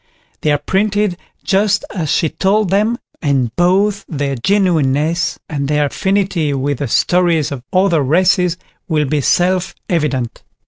They are printed just as she told them, and both their genuineness and their affinity with the stories of other races will be self evident.